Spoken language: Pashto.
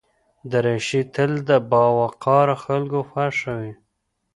دریشي تل د باوقاره خلکو خوښه وي.